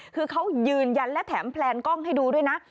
คือเขายืนยันและแถมแพลนกล้องให้ดูด้วยนะ